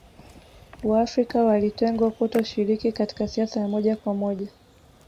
Waafrika walitengwa kutoshiriki katika siasa ya moja kwa moja